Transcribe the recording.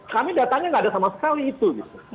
kami datanya nggak ada sama sekali itu